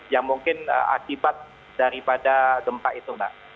yang mungkin akibat daripada gempa itu mbak